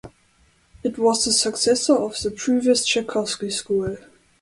It was the successor of the previous Tchaikovsky School.